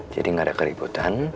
jadi gak ada keributan